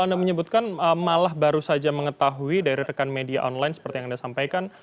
anda menyebutkan malah baru saja mengetahui dari rekan media online seperti yang anda sampaikan